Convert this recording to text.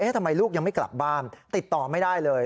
ทำไมลูกยังไม่กลับบ้านติดต่อไม่ได้เลย